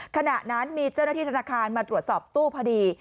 ขณะนั้นมีเจ้าหน้าที่ธนาคารมาตรวจสอบตู้พอดี